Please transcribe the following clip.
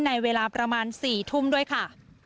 ในเวลาประมาณ๔ทุ่มด้วยค่ะ